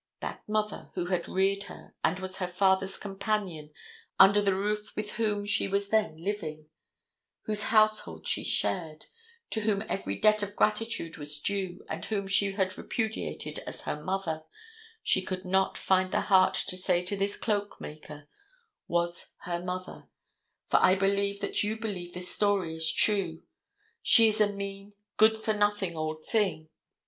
—that mother who had reared her and was her father's companion under the roof with whom she was then living, whose household she shared, to whom every debt of gratitude was due and whom she had repudiated as her mother, she could not find the heart to say to this cloakmaker was her mother, for I believe that you believe this story is true—"she is a mean, good for nothing old thing."